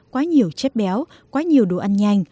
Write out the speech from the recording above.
quá nhiều chất béo quá nhiều đồ ăn nhanh